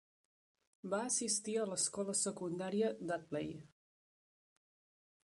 Va assistir a l'Escola secundària Dudley.